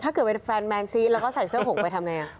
ถ้าเกิดเป็นแฟนแมนซีสแล้วก็ใส่เสื้อผมไปทำไง